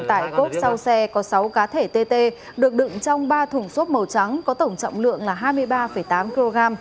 tại cốp sau xe có sáu cá thể tt được đựng trong ba thùng xốp màu trắng có tổng trọng lượng là hai mươi ba tám kg